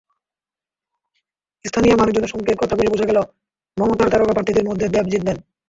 স্থানীয় মানুষজনের সঙ্গে কথা বলে বোঝা গেল, মমতার তারকা প্রার্থীদের মধ্যে দেব জিতবেন।